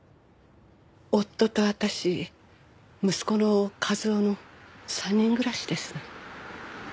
夫と私息子の一雄の３人暮らしです。